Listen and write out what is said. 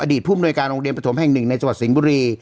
ผู้มนวยการโรงเรียนประถมแห่งหนึ่งในจังหวัดสิงห์บุรี